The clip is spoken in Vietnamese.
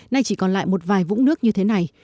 nay chỉ còn lại một vài vũng nước như thế này